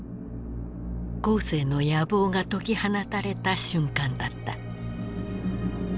江青の野望が解き放たれた瞬間だった。